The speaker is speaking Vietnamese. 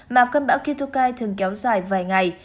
mà cơn bão ketokai thường kéo dài vài ngày